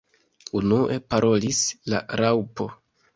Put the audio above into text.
Unue parolis la Raŭpo.